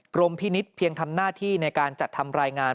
พินิษฐ์เพียงทำหน้าที่ในการจัดทำรายงาน